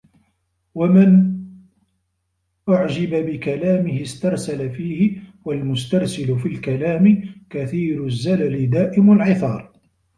وَمَنْ أُعْجِبَ بِكَلَامِهِ اسْتَرْسَلَ فِيهِ ، وَالْمُسْتَرْسِلُ فِي الْكَلَامِ كَثِيرُ الزَّلَلِ دَائِمُ الْعِثَارِ